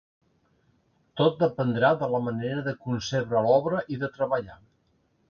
Tot dependrà de la manera de concebre l’obra i de treballar.